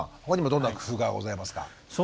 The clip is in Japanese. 他にもどんな工夫がございますか？